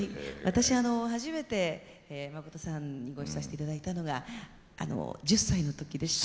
私あの初めてまことさんにご一緒させていただいたのが１０歳の時でした。